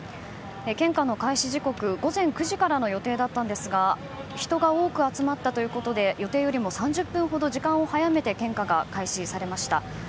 献花の開始時刻午前９時からの予定だったんですが人が多く集まったということで予定よりも３０分ほど時間を早めて献花が開始されました。